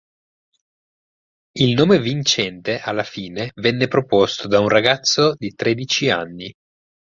Il nome vincente alla fine venne proposto da un ragazzo di tredici anni.